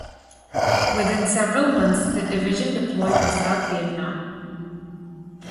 Within several months the division deployed to South Vietnam.